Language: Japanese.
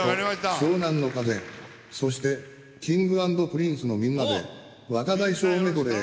湘南乃風、そして、Ｋｉｎｇ＆Ｐｒｉｎｃｅのみんなで、若大将メドレー